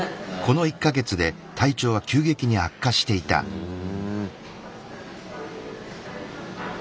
ふん。